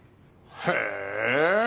へえ。